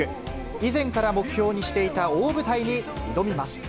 以前から目標にしていた大舞台に挑みます。